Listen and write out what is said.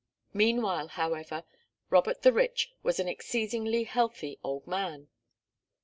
Meanwhile, however, Robert the Rich was an exceedingly healthy old man.